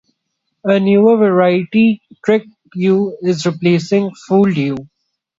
A newer variety 'Tricked You' is replacing 'Fooled You'.